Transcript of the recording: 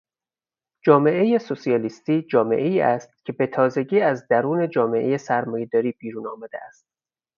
جامعهٔ سوسیالیستی جامعه است که بتازگی از درون جامعهٔ سرمایه داری بیرون آمده است.